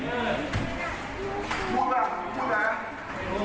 ไม่รู้อะไรกับใคร